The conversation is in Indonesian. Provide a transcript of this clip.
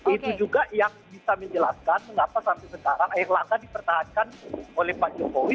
itu juga yang bisa menjelaskan mengapa sampai sekarang air langga dipertahankan oleh pak jokowi